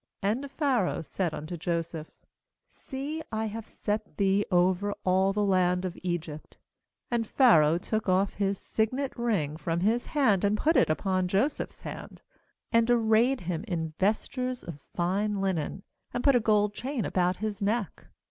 ^And Pharaoh said unto Joseph: 'See, I have set thee over all the land of Egypt/ ^And Pharaoh took off his signet ring from his hand, and put it upon Joseph's hand, and arrayed him in vestures of fine linen, and put a gold chain about his neck.